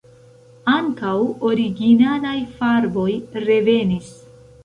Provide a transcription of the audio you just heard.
Ankaŭ originalaj farboj revenis.